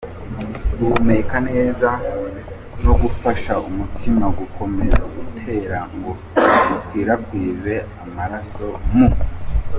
guhumeka neza no gufasha umutima gukomeza gutera ngo ukwirakwize amaraso mu